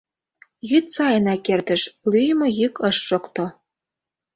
Йӱд сайынак эртыш, лӱйымӧ йӱк ыш шокто.